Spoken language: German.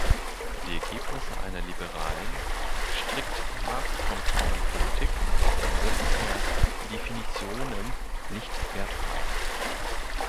Die Ergebnisse einer liberalen, strikt marktkonformen Politik sind per definitionem nicht wertfrei.